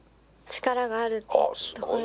力があるところ。